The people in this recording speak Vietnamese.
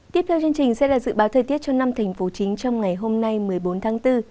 tiếp theo chương trình sẽ là dự báo thời tiết cho năm thành phố chính trong ngày hôm nay một mươi bốn tháng bốn